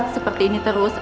seperti ini terus